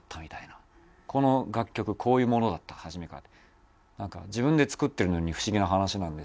この楽曲こういうものだった初めから。